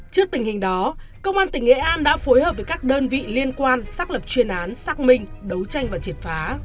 trước tình hình đó công an tỉnh nghệ an đã phối hợp với các đơn vị liên quan xác lập chuyên án xác minh đấu tranh và triệt phá